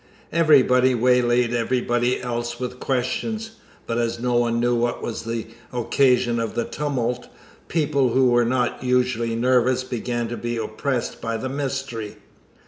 Everybody waylaid everybody else with questions; but as no one knew what was the occasion of the tumult, people who were not usually nervous began to be oppressed by the mystery.